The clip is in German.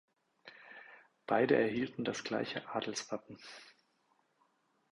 Beide erhielten das gleiche Adelswappen.